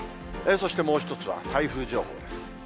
そしてもう一つは台風情報です。